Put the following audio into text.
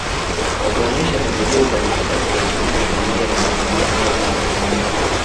Wakaonyesha pembejeo za kisasa za kilimo pamoja na kufundishwa namna ya kutumia